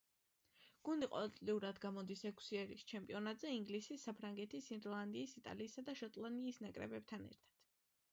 გუნდი ყოველწლიურად გამოდის ექვსი ერის ჩემპიონატზე ინგლისის, საფრანგეთის, ირლანდიის, იტალიისა და შოტლანდიის ნაკრებებთან ერთად.